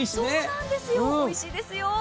おいしいですよ。